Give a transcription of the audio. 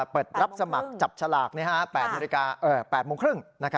เปิดรับสมัครจับฉลาก๘โมงครึ่ง